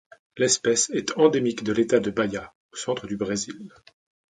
L'espèce est endémique de l'État de Bahia au centre du Brésil.